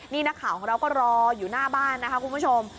นี่นักข่าวของเราก็รออยู่หน้าบ้านนะคะคุณผู้ชม